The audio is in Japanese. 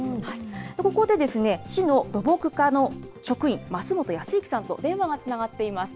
ここで、市の土木課の職員、増本靖之さんと電話がつながっています。